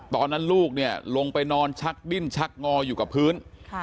ตอนนั้นลูกเนี่ยลงไปนอนชักดิ้นชักงออยู่กับพื้น